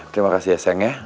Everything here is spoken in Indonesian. terima kasih ya sayangnya